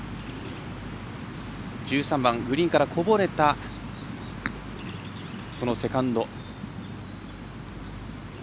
１３番グリーンからこぼれたセカンド。